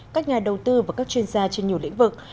các nhà đầu tư và các chuyên gia trên nhiều lĩnh vực